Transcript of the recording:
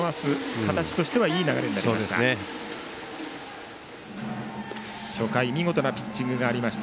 形としてはいい流れになりました。